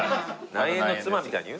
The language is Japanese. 内縁の妻みたいに言うな。